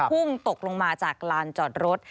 พุ่งตกลงมาจากลานจอดรถ